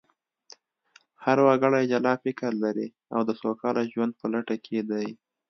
هر وګړی جلا فکر لري او د سوکاله ژوند په لټه کې دی